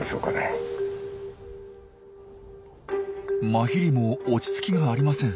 マヒリも落ち着きがありません。